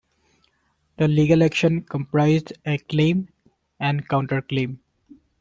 The legal action comprised a claim and counterclaim.